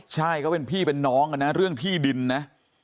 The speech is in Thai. ใช่เพียงพี่เป็นน้องเรื่องพี่ดินน่ะ